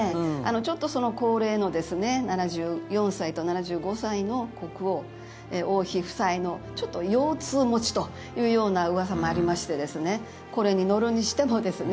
ちょっと高齢の７４歳と７５歳の国王、王妃夫妻のちょっと腰痛持ちというようなうわさもありましてこれに乗るにしてもですね